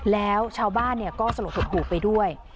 แล้วชาวบ้านก็สลดหดหูไปด้วย